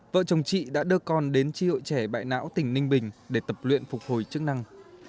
vợ chồng chị đã đưa con đến tri hội trẻ bại não tỉnh ninh bình để tập luyện phục hồi chức năng